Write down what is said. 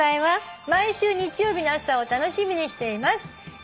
毎週日曜日の朝を楽しみにしています」